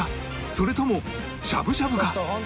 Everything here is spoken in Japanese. それともしゃぶしゃぶか？